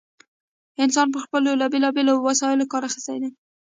انسان پر خلکو له بېلا بېلو وسایلو کار اخیستی دی.